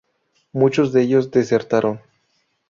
Muchos de ellos desertaron.